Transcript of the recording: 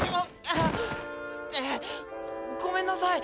あっごめんなさい。